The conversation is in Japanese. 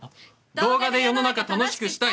動画で世の中楽しくしたい！